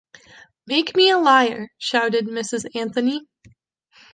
“Make me a liar!” shouted Mrs. Anthony.